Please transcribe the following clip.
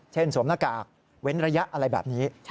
สวมหน้ากากเว้นระยะอะไรแบบนี้